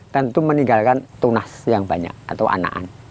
tentu meninggalkan tunas yang banyak atau anakan